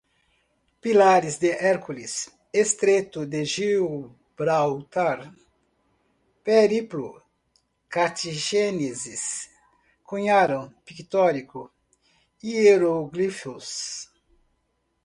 Pilares de Hércules, estreito de Gibraltar, périplo, cartagineses, cunharam, pictórico, hieróglifos